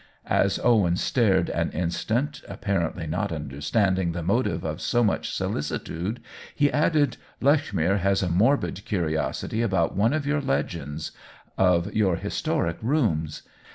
As Owen stared an instant, apparently not understanding the motive of so much solicitude, he added :" Lechmere has a morbid curiosity about one of your legends — of your historic rooms.